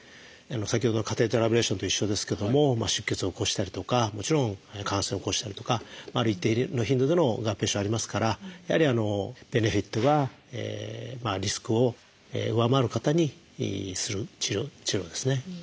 先ほどのカテーテルアブレーションと一緒ですけども出血を起こしたりとかもちろん感染を起こしたりとかある一定の頻度での合併症ありますからやはりベネフィットがリスクを上回る方にする治療法ですね。